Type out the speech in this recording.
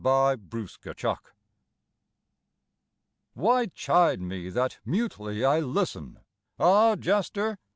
AN AUDITOR. WHY chide me that mutely I listen, ah, jester?